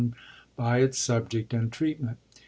by its subject and treatment.